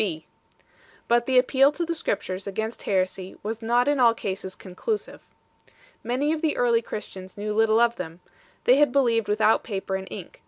B. But the appeal to the Scriptures against heresy was not in all cases conclusive. Many of the early Christians knew little of them ; they had believed without paper and ink 7